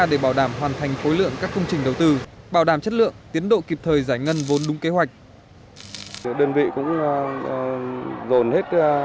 để bảo đảm hoàn thành khối lượng các công trình đầu tư bảo đảm chất lượng tiến độ kịp thời giải ngân vốn đúng kế hoạch